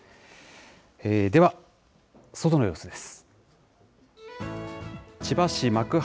では外の様子です。